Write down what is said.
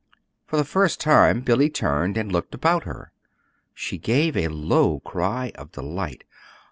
For the first time Billy turned and looked about her. She gave a low cry of delight.